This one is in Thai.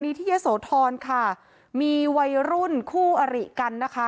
ที่ยะโสธรค่ะมีวัยรุ่นคู่อริกันนะคะ